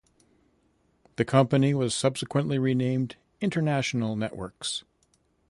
The company was subsequently renamed International Networks.